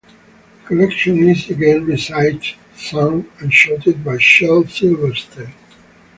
The collection is again recited, sung, and shouted by Shel Silverstein.